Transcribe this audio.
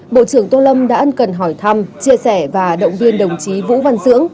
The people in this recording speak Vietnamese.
bộ trưởng tô lâm đã ân cần hỏi thăm chia sẻ và động viên đồng chí vũ văn dưỡng